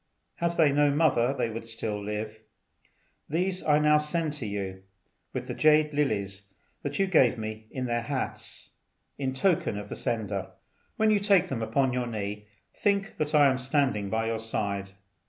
Had they no mother they would still live. These I now send to you, with the jade lilies you gave me in their hats, in token of the sender. When you take them upon your knee, think that I am standing by your side.